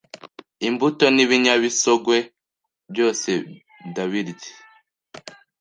imbuto n’ibinyamisogwe byose ndabirya